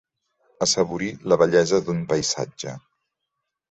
Assaborir la bellesa d'un paisatge.